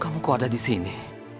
kamu kok ada disini